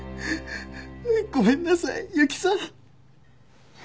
ごめんなさい由紀さん。